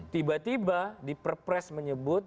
tiba tiba diperpres menyebut